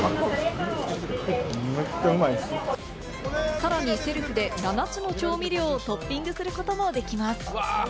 さらにセルフで７つの調味料をトッピングすることもできます。